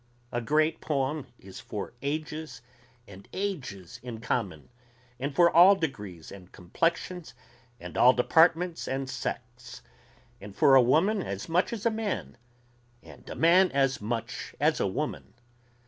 A great poem is for ages and ages in common, and for all degrees and complexions, and all departments and sects, and for a woman as much as a man and a man as much as a woman.